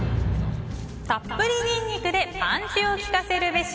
たっぷりニンニクでパンチを効かせるべし。